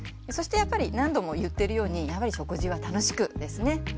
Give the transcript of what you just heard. そしてやっぱり何度も言ってるように「食事は楽しく！」ですね。